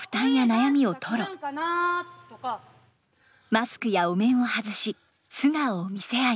マスクやお面を外し素顔を見せ合い。